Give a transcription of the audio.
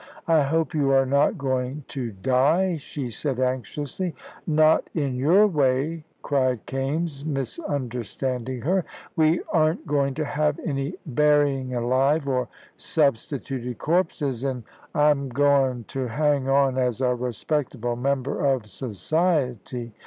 "I hope you are not going to die," she said, anxiously. "Not in your way," cried Kaimes, misunderstanding her, "we aren't going to have any buryin' alive or substituted corpses, an' I'm goin' to hang on as a respectable member of society."